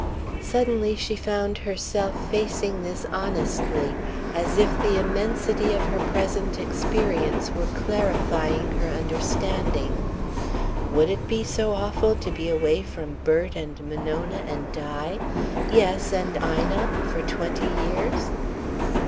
Suddenly she found herself facing this honestly, as if the immensity of her present experience were clarifying her understanding: Would it be so awful to be away from Bert and Monona and Di yes, and Ina, for twenty years?